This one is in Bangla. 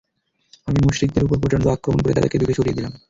আমি মুশরিকদের উপর প্রচণ্ড আক্রমণ করে তাদেরকে দূরে সরিয়ে দিলাম।